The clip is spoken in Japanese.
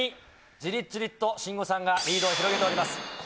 じりじりと信五さんがリードを広げています。